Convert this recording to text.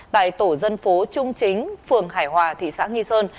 tại tổ dân phố trung chính phường hải hòa thị xã nghi sơn